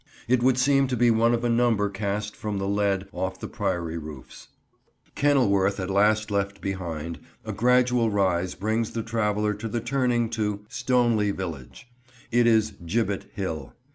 It would seem to be one of a number cast from the lead off the Priory roofs. Kenilworth at last left behind, a gradual rise brings the traveller to the turning to Stoneleigh village. It is "Gibbet Hill."